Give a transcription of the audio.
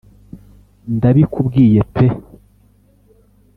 ndabikubwiye pe